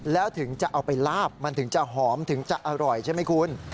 แล้วถึงจะเอาไปลาบมันถึงจะหอมถึงจะอร่อยใช่ไหมคุณ